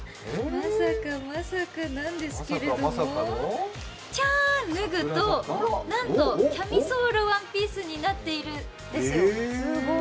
まさかまさかなんですけれども、じゃーん、脱ぐとなんとキャミソールワンピースになっているんですよ。